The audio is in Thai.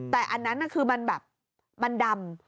แต่อันนั้นคือมันแบบมันดำ